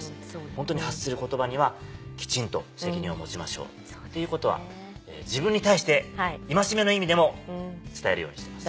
ホントに発する言葉にはきちんと責任を持ちましょうっていうことは自分に対して戒めの意味でも伝えるようにしてます。